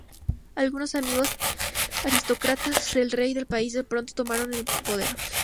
Algunos amigos aristócratas del rey de país del Ponto tomaron el poder.